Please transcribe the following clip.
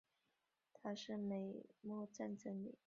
它是美墨战争里第一个在美国边境发生的主要冲突点。